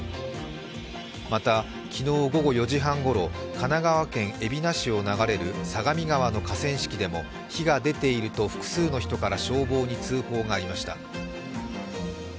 また昨日午後４時半ごろ、神奈川県海老名市を流れる相模川の河川敷でも火が出ていると複数の人から消防に通報がありました。